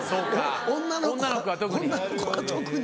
女の子は特に。